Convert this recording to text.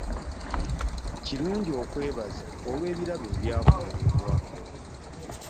Kirungi okwebaza olw'ebirabo ebyakuweebwa.